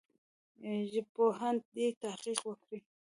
ژبپوهان دي تحقیق وکړي.